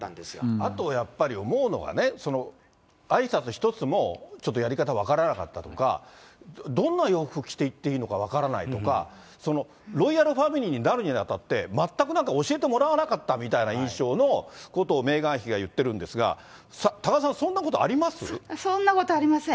あとやっぱり、思うのはね、挨拶一つも、ちょっとやり方、分からなかったとか、どんな洋服着ていっていいのか分からないとか、ロイヤルファミリーになるにあたって、全く教えてもらわなかったみたいな印象のことをメーガン妃が言ってるんですが、多賀さん、そんなことありません。